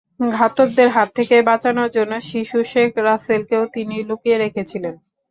ঘাতকদের হাত থেকে বাঁচানোর জন্য শিশু শেখ রাসেলকেও তিনি লুকিয়ে রেখেছিলেন।